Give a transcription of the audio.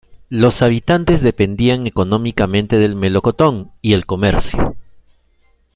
Los habitantes dependían económicamente del melocotón y el comercio.